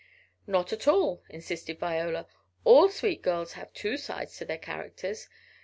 "Not at all," insisted Viola, "all sweet girls have two sides to their characters.